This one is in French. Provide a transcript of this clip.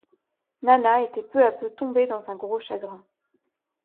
Nana était peu à peu tombée dans un gros chagrin.